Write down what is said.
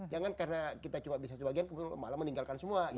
jangan karena kita cuma bisa sebagian malah meninggalkan semua gitu loh